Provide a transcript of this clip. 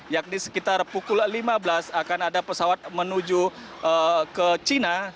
yakni sekitar pukul lima belas akan ada pesawat menuju ke china